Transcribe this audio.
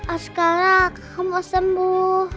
askara kakak mau sembuh